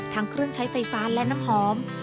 ทั้งเครื่องใช้ไฟฟ้าและน้ำหอม